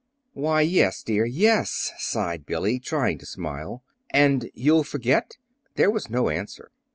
"Why, yes, dear, yes," sighed Billy, trying to smile. "And you'll forget?" There was no answer.